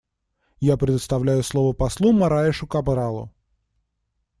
Я предоставляю слово послу Мораешу Кабралу.